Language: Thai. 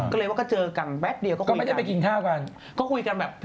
ก็เลยเจอกันแป๊บเดียวก็ไม่ได้ไปกินข้าวกัน